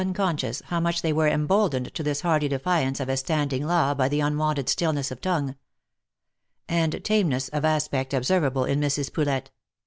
215 conscious how much they were emboldened to this hardy defiance of a standing law by the unwonted stillness of tongue, and tameness of aspect observable in Mrs. Poulet.